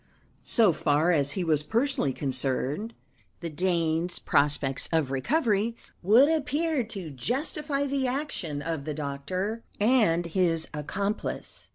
So far as he was personally concerned, the Dane's prospects of recovery would appear to justify the action of the doctor and his accomplice.